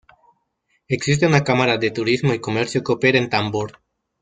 Existe una Cámara de Turismo y Comercio que opera en Tambor.